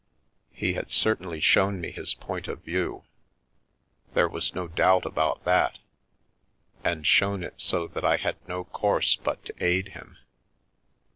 He had certainly shown me his point of view, there was no doubt about that, and shown it so that I had no course but to aid him.